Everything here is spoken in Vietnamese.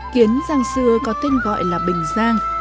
kiến giang xưa có tên gọi là bình giang